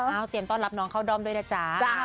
เตรียมต้อนรับน้องเข้าด้อมด้วยนะจ๊ะ